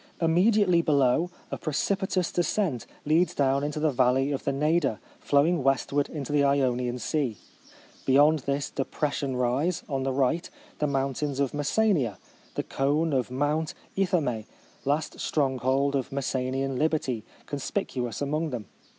Immediately below, a precipitous descent leads down into the valley of the Neda, flowing westward into the Ionian Sea. Beyond this de pression rise, on the right, the mountains of Messenia, — the cone of Mount Ithome, last stronghold of Messenian liberty, conspicuous among them.